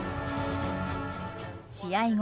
試合後